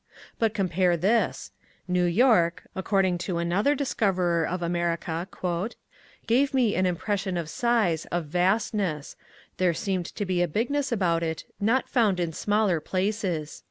But compare this "New York," according to another discoverer of America, "gave me an impression of size, of vastness; there seemed to be a big ness about it not found in smaller places."